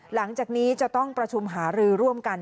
หลังจากนี้จะต้องประชุมหารือร่วมกัน